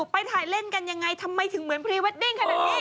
ไปถ่ายเล่นกันยังไงทำไมถึงเหมือนพรีเวดดิ้งขนาดนี้